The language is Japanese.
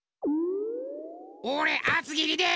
おれあつぎりで！